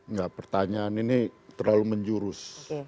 enggak pertanyaan ini terlalu menjurus